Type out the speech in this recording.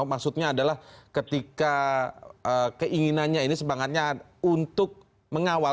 maksudnya adalah ketika keinginannya ini semangatnya untuk mengawal